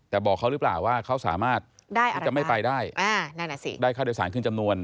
แต่บอกเขาหรือเปล่าว่าเขาสามารถไม่ไปได้ได้ค่าโดยสารคืนจำนวน